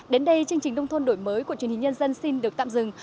đến đây chương trình nông thôn đổi mới của truyền hình nhân dân xin được tạm dừng